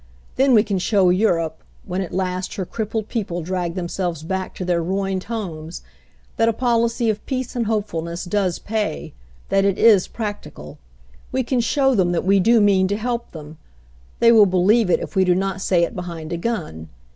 Then we can show Europe, when at last her crippled people drag themselves hack to their ruined homes, that a policy of peace and hopefulness does pay, that it is practical. "We can show them that we do mean to help them. They will believe it, if we do not say it behind a gun.